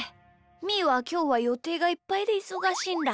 みーはきょうはよていがいっぱいでいそがしいんだ。